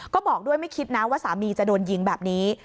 ก็บอกด้วยไม่คิดนะว่าสามีจะโดนยิงแบบนี้